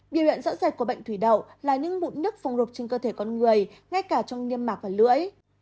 điều hiện rõ ràng của bệnh thủy đậu là những mụn nước phồng rục trên cơ thể con người ngay cả trong niêm mạc và lưỡi